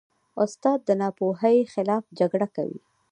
استاد د ناپوهۍ خلاف جګړه کوي.